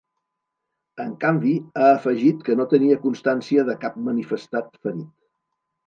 En canvi, ha afegit que no tenia constància de cap manifestat ferit.